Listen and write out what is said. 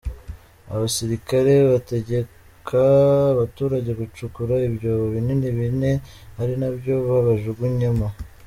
Abasilikare bategeka abaturage gucukura ibyobo binini bine ari nabyo babajugunyemo.